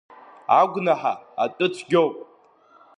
Агәнаҳа атәы цәгьоуп…